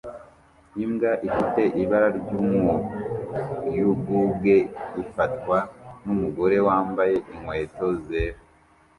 Imbwa ifite ibara ry'umuyugubwe ifatwa numugore wambaye inkweto zera